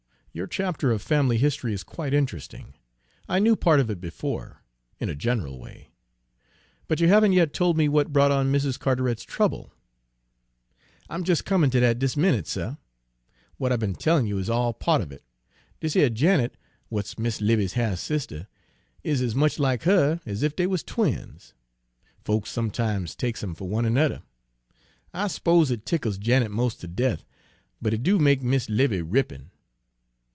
Your chapter of family history is quite interesting, I knew part of it before, in a general way; but you haven't yet told me what brought on Mrs. Carteret's trouble." "I'm jes' comin' ter dat dis minute, suh, w'at I be'n tellin' you is all a part of it. Dis yer Janet, w'at's Mis' 'Livy's half sister, is ez much like her ez ef dey wuz twins. Folks sometimes takes 'em fer one ernudder, I s'pose it tickles Janet mos' ter death, but it do make Mis' 'Livy rippin'.